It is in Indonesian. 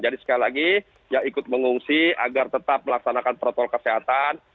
jadi sekali lagi ya ikut mengungsi agar tetap melaksanakan protokol kesehatan